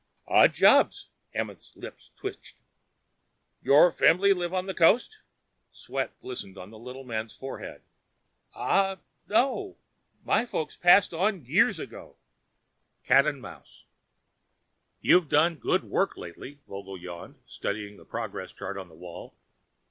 "Odd jobs." Amenth's lips twitched. "Your family live on the coast?" Sweat glistened on the little man's forehead. "Ah no. My folks passed on years ago." Cat and mouse. "You've done good work lately." Vogel yawned, studying the progress chart on the wall.